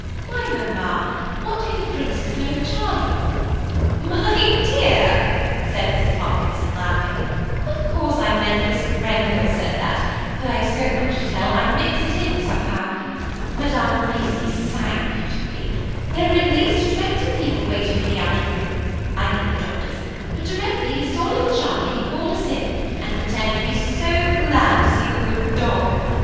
"Why, mamma, what can the Princess know of Charlie?" "My dear," said Mrs. Hopkinson, laughing, "of course I meant Miss Grenville said that, but I have so much to tell, I mix it all somehow. Madame Grisi sang beautifully. There were at least twenty people waiting in the outer room–I mean at the Doctor's–but directly he saw little Charlie he called us in, and pretended to be so glad to see the wooden dog.